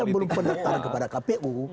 belum mendaftar kepada kpu